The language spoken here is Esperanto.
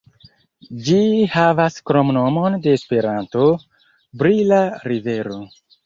Ĝi havas kromnomon de Esperanto, "Brila Rivero".